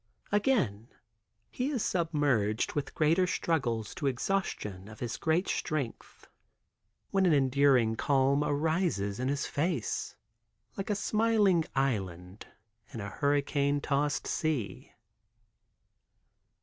Again he is submerged with greater struggles to exhaustion of his great strength, when an enduring calm arises in his face, like a smiling island in a hurricane tossed sea.